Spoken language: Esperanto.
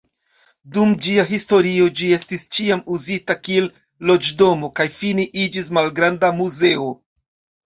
Dum ĝia historio ĝi estis ĉiam uzita kiel loĝdomo kaj fine iĝis malgranda muzeo.